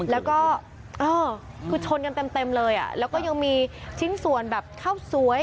แล้วก็เออคือชนกันเต็มเลยอ่ะแล้วก็ยังมีชิ้นส่วนแบบข้าวสวย